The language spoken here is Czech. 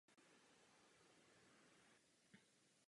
Opevnění je tvořeno několika stupni.